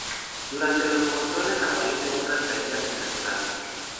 Durante los monzones aparecen otras caídas estacionales.